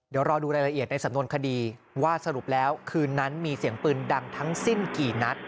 เดี๋ยวรอดูรายละเอียดในสำนวนคดีว่าสรุปแล้วคืนนั้นมีเสียงปืนดังทั้งสิ้นกี่นัด